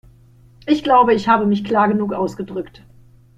Ich glaube, ich habe mich klar genug ausgedrückt.